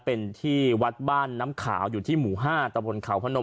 เป็นที่วัดบ้านน้ำขาวอยู่ที่หมู่๕ตะบนเขาพนม